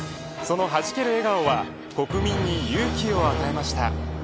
そのはじける笑顔は国民に勇気を与えました。